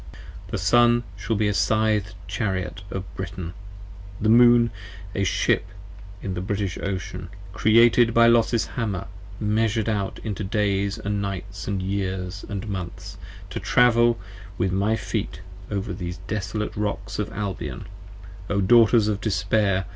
The Sun shall be a Scythed Chariot of Britain: the Moon, a Ship In the British Ocean! Created by Los's Hammer: measured out 20 Into Days & Nights & Years & Months, to travel with my feet Over these desolate rocks of Albion: O daughters of despair!